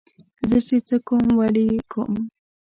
زه چې څه کوم ولې یې کوم.